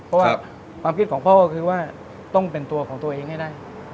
เพราะว่าความคิดของพ่อก็คือว่าต้องเป็นตัวของตัวเองให้ได้